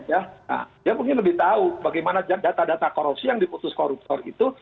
nah dia mungkin lebih tahu bagaimana data data korupsi yang diputus koruptor itu